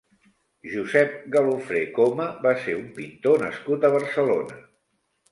Josep Galofre Coma va ser un pintor nascut a Barcelona.